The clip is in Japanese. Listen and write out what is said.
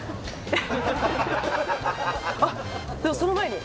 あっでもその前に。